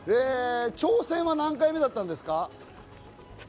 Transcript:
挑戦は何回目だったんですか？